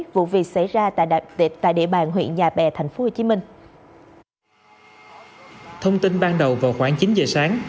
vụ việc xảy ra tại địa bàn huyện nhà bè tp hcm thông tin ban đầu vào khoảng chín giờ sáng